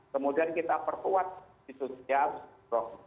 kemudian kita perkuat di susah roh